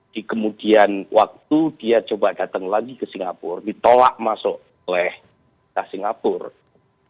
di kemudian waktu dia coba datang lagi ke singapura ditolak masuk oleh singapura